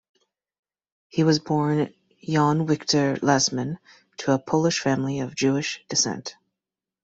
He was born Jan Wiktor Lesman to a Polish family of Jewish descent.